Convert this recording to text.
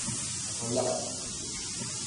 Ɣleq!